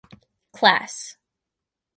Class.